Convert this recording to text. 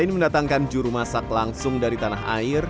menggantikan jurumasak langsung dari tanah air